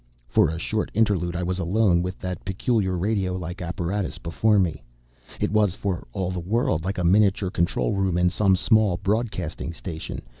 For a short interlude I was alone, with that peculiar radio like apparatus before me. It was, for all the world, like a miniature control room in some small broadcasting station.